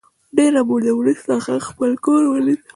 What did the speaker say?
ډېره موده وروسته هغه خپل کور ولید